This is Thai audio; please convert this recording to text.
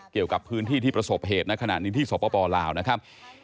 เกี่ยวกับพื้นที่ที่ประสบเหตุในขณะนี้ที่สปลาวนะครับ